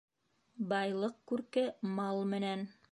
Байлыҡ күрке мал менән.